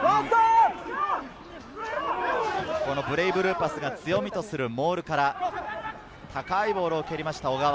ブレイブルーパスが強みとするモールから高いボールを蹴りました小川。